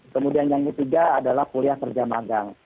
kemudian yang ketiga adalah kuliah kerja magang